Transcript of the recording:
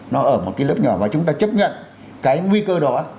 nó ở một cái lớp nhỏ và chúng ta chấp nhận cái nguy cơ đó